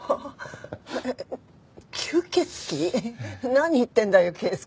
何言ってるんだよ圭介。